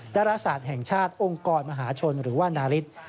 ดาราศาสตร์แห่งชาติองค์กรมหาชนหรือว่านาริส